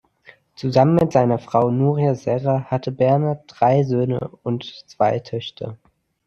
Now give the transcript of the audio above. Zusammen mit seiner Frau Nuria Serra hatte Bernat drei Söhne und zwei Töchter.